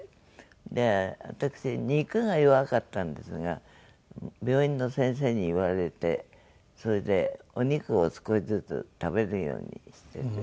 で私肉が弱かったんですが病院の先生に言われてそれでお肉を少しずつ食べるようにしてて。